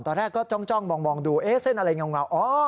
ตอนแรกก็จ้องมองดูเส้นอะไรเงา